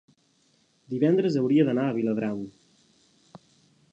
divendres hauria d'anar a Viladrau.